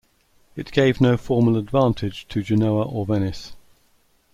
It gave no formal advantage to Genoa or Venice.